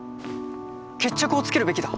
決着をつけるべきだ。